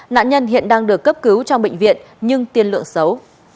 nạn nhân hiện đang được cấp cứu trong bệnh viện nhưng tiên lượng xấu